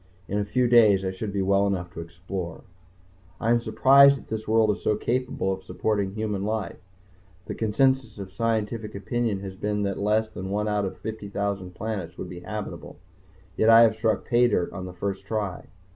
In a few days I should be well enough to explore.... I am surprised that this world is so capable of supporting human life. The consensus of scientific opinion has been that less than one out of 50,000 planets would be habitable. Yet I have struck paydirt on the first try.